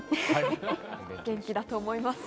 元気だと思います。